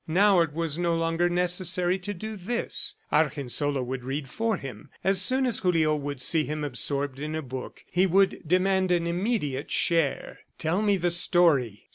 Now it was no longer necessary to do this; Argensola would read for him. As soon as Julio would see him absorbed in a book, he would demand an immediate share: "Tell me the story."